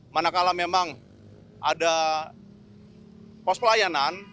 mana kalah memang ada pos pelayanan